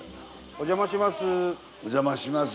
お邪魔します。